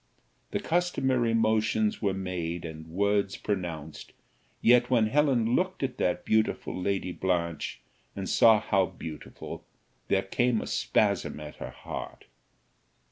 The customary motions were made, and words pronounced; yet when Helen looked at that beautiful Lady Blanche, and saw how beautiful! there came a spasm at her heart.